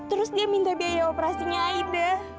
terus dia minta biaya operasinya aida